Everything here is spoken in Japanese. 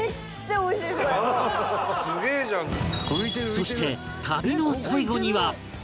そして旅の最後には